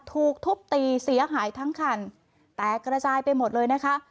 ถูกทุบตีเสียหายทั้งคันแตกกระจายไปหมดเลยนะคะ